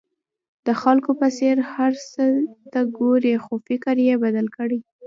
د خلکو په څېر هر څه ته ګورئ خو فکر یې بدل کړئ.